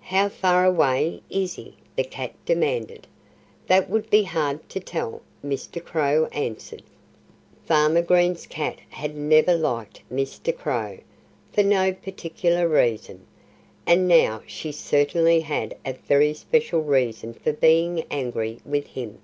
"How far away is he?" the cat demanded. "That would be hard to tell," Mr. Crow answered. Farmer Green's cat had never liked Mr. Crow, for no particular reason. And now she certainly had a very special reason for being angry with him.